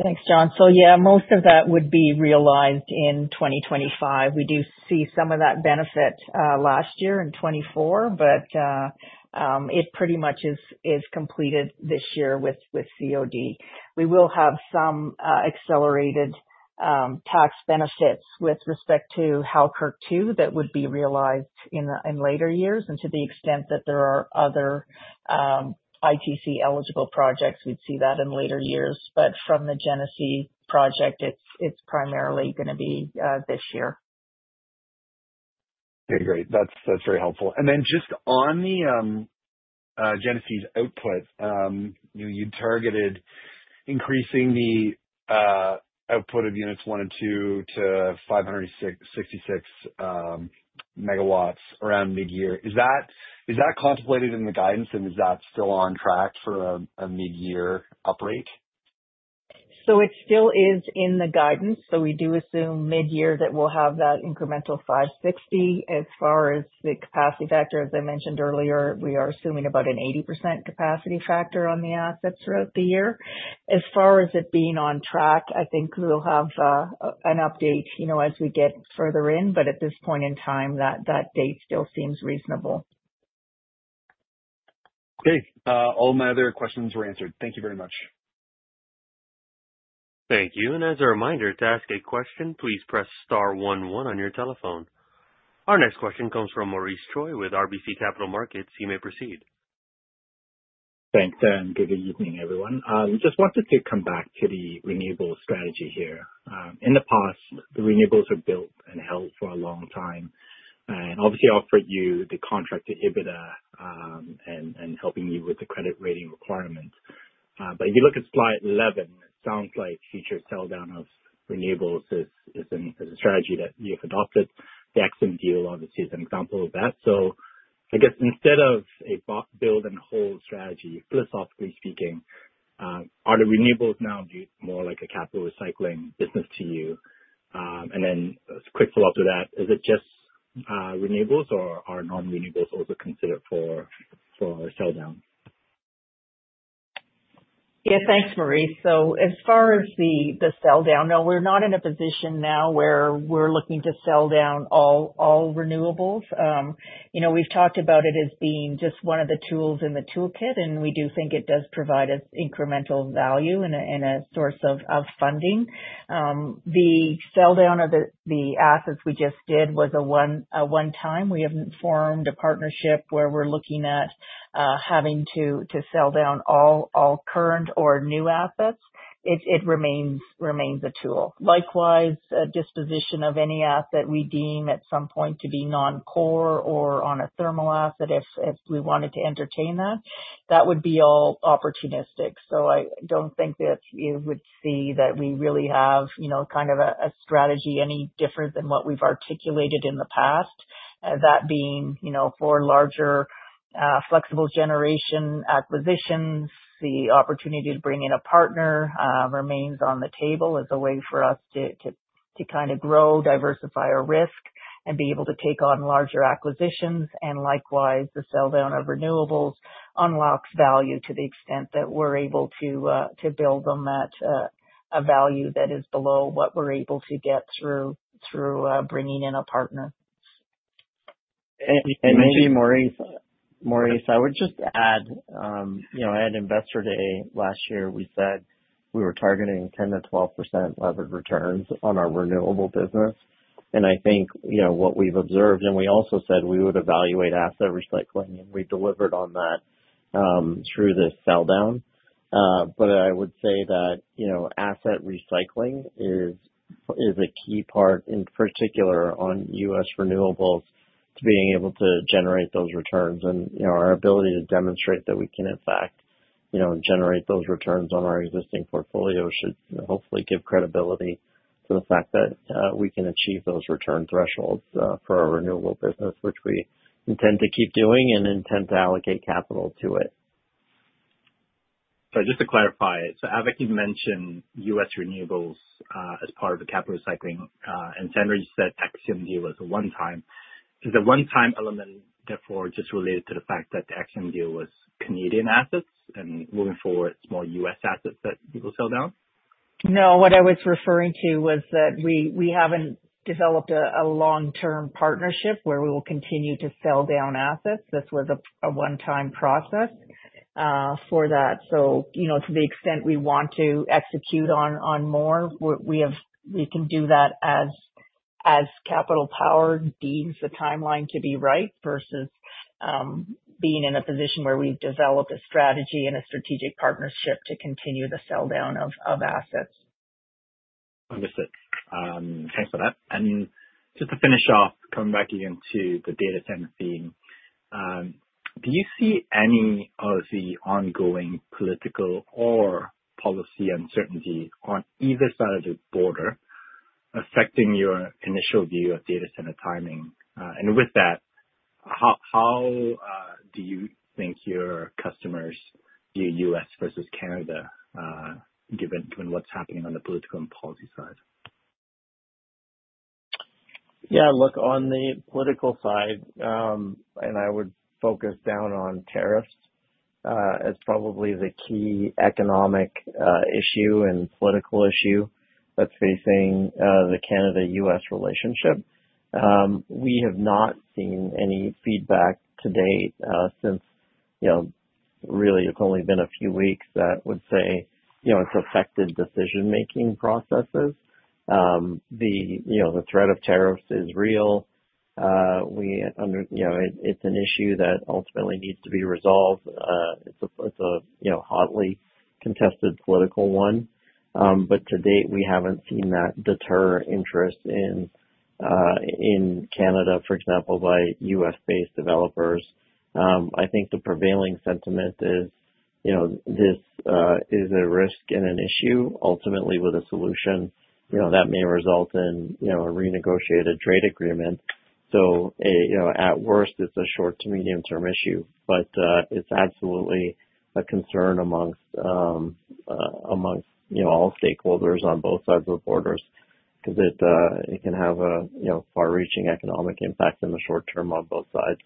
Thanks, John. So yeah, most of that would be realized in 2025. We do see some of that benefit last year in 2024, but it pretty much is completed this year with COD. We will have some accelerated tax benefits with respect to Halkirk 2 that would be realized in later years. And to the extent that there are other ITC-eligible projects, we'd see that in later years. But from the Genesee project, it's primarily going to be this year. Okay. Great. That's very helpful. And then just on the Genesee's output, you targeted increasing the output of units one and two to 566 megawatts around mid-year. Is that contemplated in the guidance, and is that still on track for a mid-year uprate? So it still is in the guidance. So we do assume mid-year that we'll have that incremental 560 MW. As far as the capacity factor, as I mentioned earlier, we are assuming about an 80% capacity factor on the assets throughout the year. As far as it being on track, I think we'll have an update as we get further in, but at this point in time, that date still seems reasonable. Okay. All my other questions were answered. Thank you very much. Thank you. And as a reminder, to ask a question, please press star one one on your telephone. Our next question comes from Maurice Choy with RBC Capital Markets. You may proceed. Thanks, Dan. Good evening, everyone. Just wanted to come back to the renewable strategy here. In the past, the renewables were built and held for a long time. And obviously, it offered you the contracted EBITDA and helping you with the credit rating requirements. But if you look at Slide 11, it sounds like future sell-down of renewables is a strategy that you've adopted. The Axium deal obviously is an example of that. So I guess instead of a build-and-hold strategy, philosophically speaking, are the renewables now more like a capital recycling business to you? And then a quick follow-up to that, is it just renewables, or are non-renewables also considered for sell-down? Yeah. Thanks, Maurice. So as far as the sell-down, no, we're not in a position now where we're looking to sell-down all renewables. We've talked about it as being just one of the tools in the toolkit, and we do think it does provide us incremental value and a source of funding. The sell-down of the assets we just did was a one-time. We have formed a partnership where we're looking at having to sell-down all current or new assets. It remains a tool. Likewise, disposition of any asset we deem at some point to be non-core or on a thermal asset, if we wanted to entertain that, that would be all opportunistic. So I don't think that you would see that we really have kind of a strategy any different than what we've articulated in the past. That being for larger flexible generation acquisitions, the opportunity to bring in a partner remains on the table as a way for us to kind of grow, diversify our risk, and be able to take on larger acquisitions. And likewise, the sell-down of renewables unlocks value to the extent that we're able to build them at a value that is below what we're able to get through bringing in a partner. And you, Maurice, I would just add, at Investor Day last year, we said we were targeting 10%-12% levered returns on our renewable business. And I think what we've observed, and we also said we would evaluate asset recycling, and we delivered on that through the sell-down. But I would say that asset recycling is a key part, in particular on U.S. renewables, to being able to generate those returns. And our ability to demonstrate that we can, in fact, generate those returns on our existing portfolio should hopefully give credibility to the fact that we can achieve those return thresholds for our renewable business, which we intend to keep doing and intend to allocate capital to it. So just to clarify, so as you mentioned, U.S. renewables as part of the capital recycling and Sandra said Axium deal was a one-time. Is the one-time element therefore just related to the fact that the Axium deal was Canadian assets and moving forward, it's more U.S. assets that people sell-down? No, what I was referring to was that we haven't developed a long-term partnership where we will continue to sell-down assets. This was a one-time process for that. So to the extent we want to execute on more, we can do that as Capital Power deems the timeline to be right versus being in a position where we've developed a strategy and a strategic partnership to continue the sell-down of assets. Understood. Thanks for that. And just to finish off, coming back again to the data center theme, do you see any of the ongoing political or policy uncertainty on either side of the border affecting your initial view of data center timing? And with that, how do you think your customers view U.S. versus Canada, given what's happening on the political and policy side? Yeah. Look, on the political side, and I would focus down on tariffs as probably the key economic issue and political issue that's facing the Canada-U.S. relationship. We have not seen any feedback to date since really it's only been a few weeks that would say it's affected decision-making processes. The threat of tariffs is real. It's an issue that ultimately needs to be resolved. It's a hotly contested political one. But to date, we haven't seen that deter interest in Canada, for example, by U.S.-based developers. I think the prevailing sentiment is this is a risk and an issue. Ultimately, with a solution, that may result in a renegotiated trade agreement. So at worst, it's a short to medium-term issue, but it's absolutely a concern among all stakeholders on both sides of the borders because it can have a far-reaching economic impact in the short term on both sides.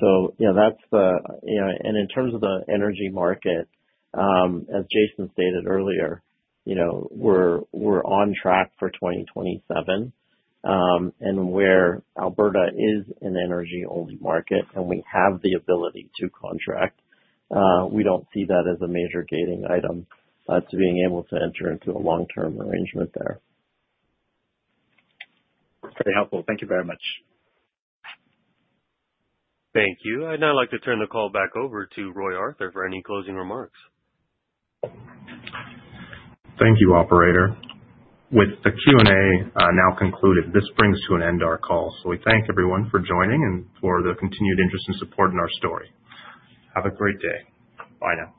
So that's the and in terms of the energy market, as Jason stated earlier, we're on track for 2027. And where Alberta is an energy-only market and we have the ability to contract, we don't see that as a major gating item to being able to enter into a long-term arrangement there. Very helpful. Thank you very much. Thank you. I'd now like to turn the call back over to Roy Arthur for any closing remarks. Thank you, Operator. With the Q&A now concluded, this brings to an end our call. So we thank everyone for joining and for the continued interest and support in our story. Have a great day. Bye now.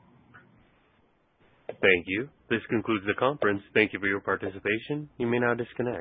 Thank you. This concludes the conference. Thank you for your participation. You may now disconnect.